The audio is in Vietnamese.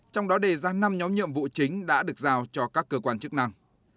trong đó đề ra năm nhóm nhiệm vụ chính đã được giao cho các cơ quan chức năng